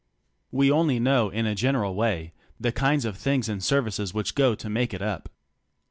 We only know in a general way the kinds of things and services which go to make it up.